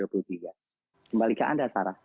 kembali ke anda sarah